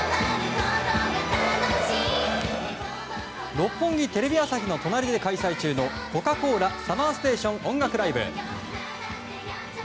六本木テレビ朝日の隣で開催中の「コカ・コーラＳＵＭＭＥＲＳＴＡＴＩＯＮ音楽ＬＩＶＥ」。